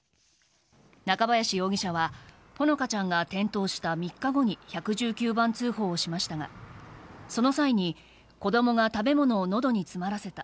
中林容疑者はほのかちゃんが転倒した３日後に１１９番通報しましたがその際に子供が食べ物を喉に詰まらせた。